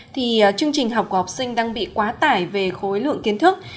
thì chương trình học của học sinh đang bị quá tải về khối lượng kiến thức